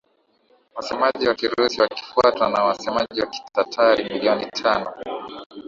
wasemaji wa Kirusi wakifuatwa na wasemaji wa Kitatari milioni tano